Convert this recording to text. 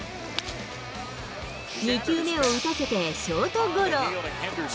２球目を打たせてショートゴロ。